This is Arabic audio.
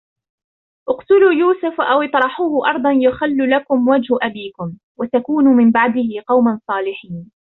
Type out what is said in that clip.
اقتلوا يوسف أو اطرحوه أرضا يخل لكم وجه أبيكم وتكونوا من بعده قوما صالحين